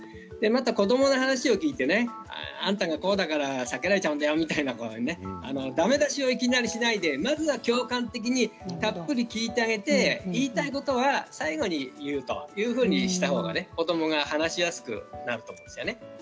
また子どもの話を聞いてあんたがこうだから避けられちゃうんだよというだめ出しをいきなりしないでまずは共感してたっぷり聞いてあげて言いたいことは最後に言うというふうにしたほうが子どもが話しやすくなると思うんですね。